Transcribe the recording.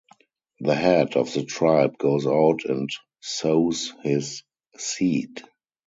The head of the tribe goes out and sows his seed.